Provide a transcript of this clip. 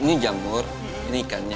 ini jamur ini ikannya